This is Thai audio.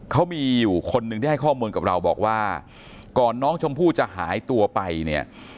เขามีอยู่คนหนึ่งที่ให้ข้อมูลกับเราบอกว่าก่อนน้องชมพู่จะหายตัวไปเนี่ย